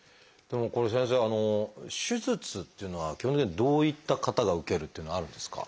でもこれ先生手術っていうのは基本的にどういった方が受けるっていうのはあるんですか？